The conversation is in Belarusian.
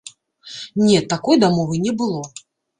Не, такой дамовы не было!